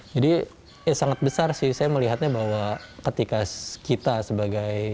jadi sangat besar sih saya melihatnya bahwa ketika kita sebagai